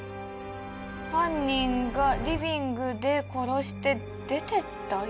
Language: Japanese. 犯人がリビングで殺して出てった？